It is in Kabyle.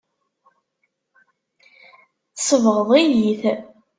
Tsebɣeḍ-iyi-t.